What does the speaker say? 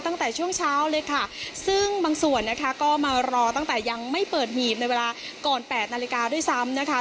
ตั้งแต่ช่วงเช้าเลยค่ะซึ่งบางส่วนนะคะก็มารอตั้งแต่ยังไม่เปิดหีบในเวลาก่อน๘นาฬิกาด้วยซ้ำนะคะ